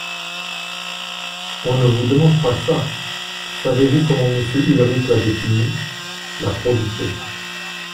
on ne vous demande pas ça … savez-vous comment Monsieur Ulric la définit, la probité !